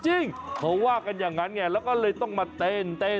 จริงเขาว่ากันอย่างนั้นไงแล้วก็เลยต้องมาเต้น